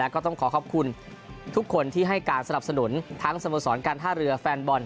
ก็ต้องขอขอบคุณทุกคนที่ให้การสนับสนุนทั้งสโมสรการท่าเรือแฟนบอล